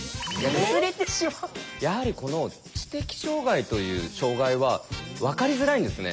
やはりこの知的障害という障害は分かりづらいんですね。